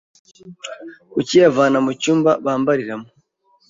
ukayivana mu cyumba bambariramo